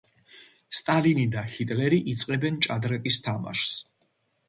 სტალინი და ჰიტლერი იწყებენ ჭადრაკის თამაშს.